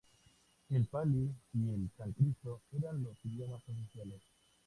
El pali y el sánscrito eran los idiomas oficiales.